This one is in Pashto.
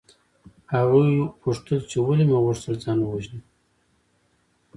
هغوی پوښتل چې ولې مې غوښتل ځان ووژنم